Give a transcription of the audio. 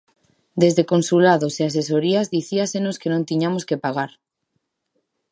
Desde consulados e asesorías dicíasenos que non tiñamos que pagar.